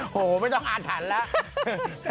โอ้โหไม่ต้องอาทันแล้ว